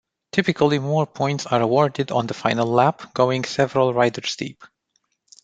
Typically more points are awarded on the final lap, going several riders deep.